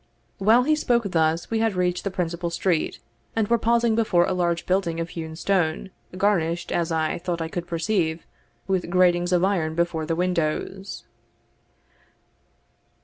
While he spoke thus, we had reached the principal street, and were pausing before a large building of hewn stone, garnished, as I thought I could perceive, with gratings of iron before the windows.